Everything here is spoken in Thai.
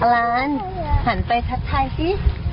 อลันฯหันไปชัดท้ายสิ